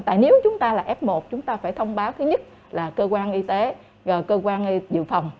tại nếu chúng ta là f một chúng ta phải thông báo thứ nhất là cơ quan y tế cơ quan dự phòng